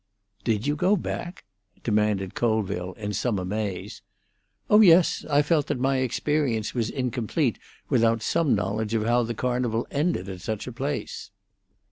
"Did you go back?" demanded Colville, in some amaze. "Oh yes. I felt that my experience was incomplete without some knowledge of how the Carnival ended at such a place."